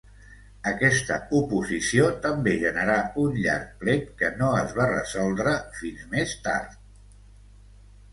Aquesta oposició també generà un llarg plet que no es va resoldre fins més tard.